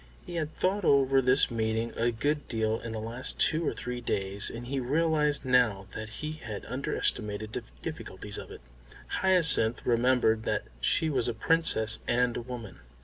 He had thought over this meeting a good deal in the last two or three days, and he realised now that he had underestimated the difficulties of it. Hyacinth remembered that she was a Princess and a woman.